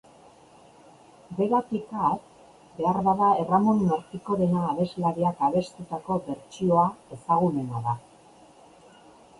Beratik at, beharbada Erramun Martikorena abeslariak abestutako bertsioa ezagunena da.